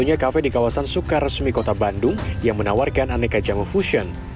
ada kafe di kawasan sukaresmi kota bandung yang menawarkan aneka jamu fusion